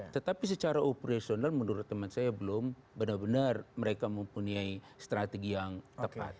tetapi secara operasional menurut teman saya belum benar benar mereka mempunyai strategi yang tepat